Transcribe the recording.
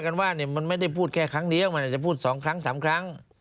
มันจะพูดแค่ครั้งเดียวมันจะพูดสองครั้งสามครั้ง